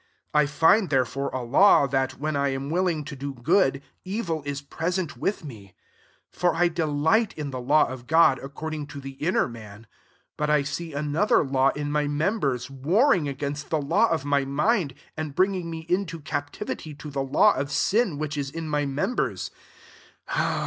21 1 find therefore a law, that, when I am willing to do good, evil is present with me. 22 For i delight in the law of God, accoi'ding to the iniwi man; 23 but I see another In in my members, warring aga^ the law of my mind, and brii^ ing me into captivity to HIM law of sin, which is in my meM hers.